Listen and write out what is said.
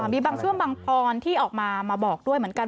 มีบางช่วงบางพรที่ออกมามาบอกด้วยเหมือนกัน